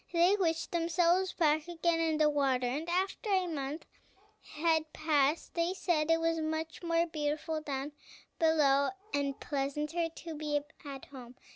They wished themselves back again in the water, and after a month had passed they said it was much more beautiful down below, and pleasanter to be at home.